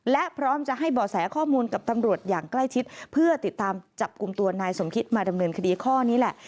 และพร้อมจะให้บ่อแสข้อมูลกับตำรวจอย่างใกล้ชิดเพื่อติดตามจับกลุ่มตัวนายสมคิดมาดำเนินคดีข้อนี้แหละ